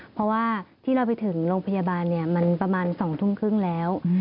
เพราะว่าที่เราไปถึงโรงพยาบาลมันประมาณ๒ทุ่มครึ่งแล้ว